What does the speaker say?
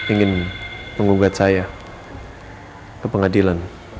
ingin mengugat saya ke pengadilan